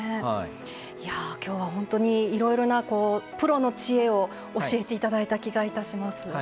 きょうは本当にいろいろなプロの知恵を教えていただいた気がいたします。